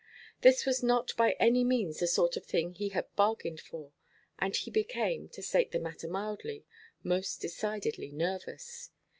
This was not not by any means the sort of thing he had bargained for; and he became, to state the matter mildly, most decidedly nervous.